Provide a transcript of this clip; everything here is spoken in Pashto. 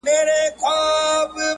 ماشوم، بابا، ځوان او ادې جان